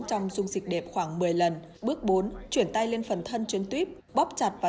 trong dung dịch đẹp khoảng một mươi lần bước bốn chuyển tay lên phần thân chuyến tuyếp bóp chặt và